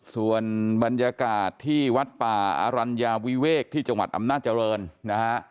ส่วนบรรยากาศที่วัดป่าอรัญญาวิเวกที่จังหวัดอำนาจริงนะฮะ